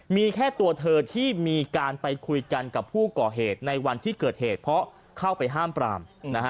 มีแค่ตัวเธอที่มีการไปคุยกันกับผู้ก่อเหตุในวันที่เกิดเหตุเพราะเข้าไปห้ามปราม